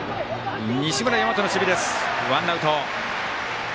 西村大和の守備ですワンアウト。